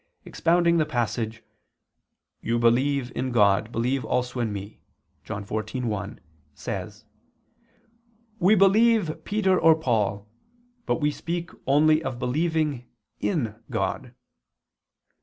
expounding the passage, "You believe in God, believe also in Me" (John 14:1) says: "We believe Peter or Paul, but we speak only of believing 'in' God."